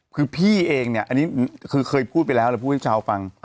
คือพี่เองเนี่ยอันนี้คือเคยพูดไปแล้วแล้วพูดให้ชาวฟัง